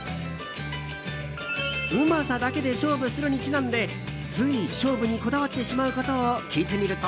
うまさだけで勝負するにちなんでつい勝負にこだわってしまうことを聞いてみると。